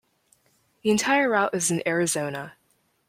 The entire route is in Arizona.